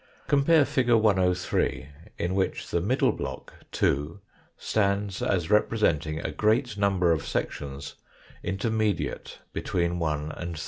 Compare fig. 103 in which the middle block, 2, stands as representing a great number of sections intermediate between 1 and 3.